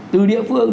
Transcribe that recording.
từ địa phương